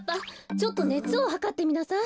ちょっとねつをはかってみなさい。